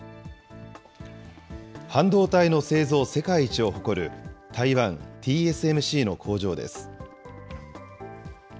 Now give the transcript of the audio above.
半導体の製造世界一を誇る、台湾ＴＳＭＣの工場です。